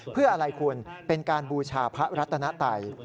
เพื่ออะไรคุณเป็นการบูชาพระรัตนไตย